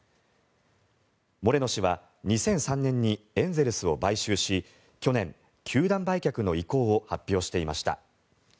モレノ氏は２００３年にエンゼルスを買収し去年、球団売却の意向を発表していました。